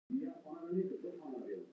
انګور د افغانستان د طبعي سیسټم توازن ساتي.